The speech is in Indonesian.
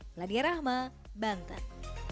melania rahma banten